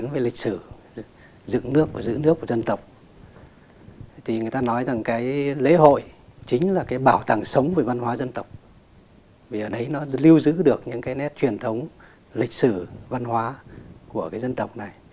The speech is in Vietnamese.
vì ở đấy nó lưu giữ được những cái nét truyền thống lịch sử văn hóa của cái dân tộc này